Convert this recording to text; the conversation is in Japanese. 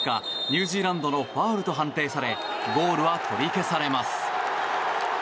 ニュージーランドのファウルと判定されゴールは取り消されます。